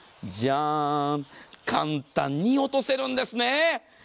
簡単に落とせるんですね。